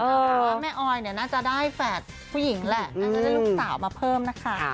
เพราะว่าแม่ออยเนี่ยน่าจะได้แฝดผู้หญิงแหละน่าจะได้ลูกสาวมาเพิ่มนะคะ